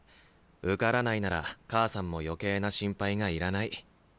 受からないなら母さんも余計な心配がいらない。